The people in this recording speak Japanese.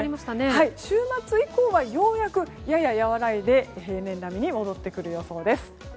週末以降はようやくやや和らいで平年並みに戻ってくる予想です。